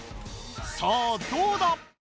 さぁどうだ